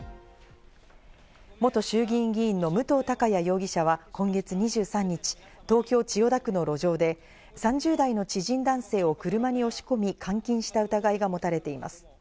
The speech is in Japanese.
元衆議院議員の武藤貴也容疑者は今月２３日、東京・千代田区の路上で、３０代の知人男性を車に押し込み、監禁した疑いがもたれています。